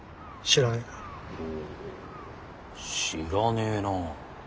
知らねえな。